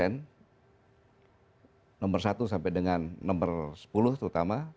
nomor satu sampai dengan nomor sepuluh terutama